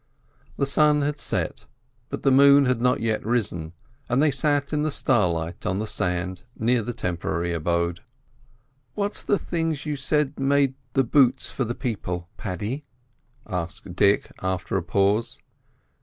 The sun had set, but the moon had not yet risen as they sat in the starlight on the sand near the temporary abode. "What's the things you said made the boots for the people, Paddy?" asked Dick, after a pause.